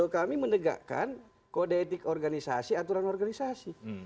kami menegakkan kode etik organisasi aturan organisasi